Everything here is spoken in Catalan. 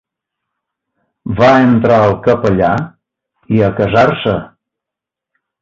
Va entrar el capellà... i a casar-se.